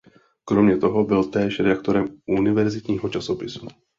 Kromě toho byl též redaktorem univerzitního časopisu.